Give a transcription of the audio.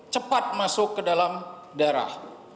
cepat masuk ke dalam darah